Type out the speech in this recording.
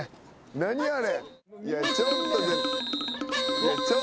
何あれ。